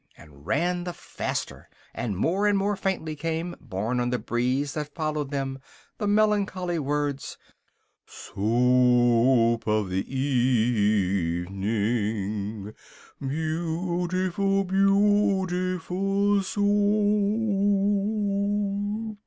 and ran the faster, and more and more faintly came, borne on the breeze that followed them, the melancholy words: "Soo oop of the e e evening, Beautiful beautiful Soup!"